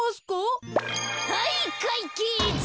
はいかいけつ！